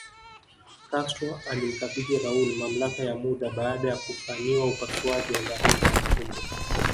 Castro alimkabidhi Raul mamlaka ya muda baada ya kufanyiwa upasuaji wa dharura wa utumbo